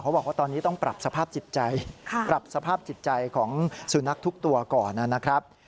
บอกว่าตอนนี้ต้องปรับสภาพจิตใจปรับสภาพจิตใจของสุนัขทุกตัวก่อนนะครับ